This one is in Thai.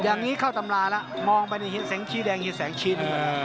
อย่างนี้เข้าตำราแล้วมองไปเห็นแสงชี้แดงเห็นแสงชิ้น